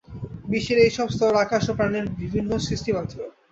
বিশ্বের এইসব স্তর আকাশ ও প্রাণের বিভিন্ন সৃষ্টিমাত্র।